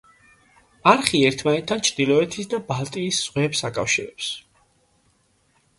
არხი ერთმანეთთან ჩრდილოეთის და ბალტიის ზღვებს აკავშირებს.